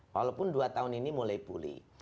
walaupun dua tahun ini mulai pulih